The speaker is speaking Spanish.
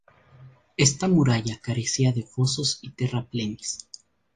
Esta muralla carecía de fosos y terraplenes.